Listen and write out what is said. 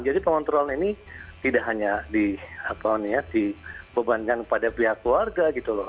jadi pengontrolan ini tidak hanya dibebankan pada pihak keluarga gitu loh